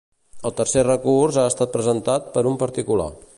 El tercer recurs ha estat presentat per un particular.